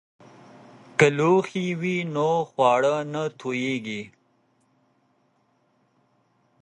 که لوښي وي نو خواړه نه توییږي.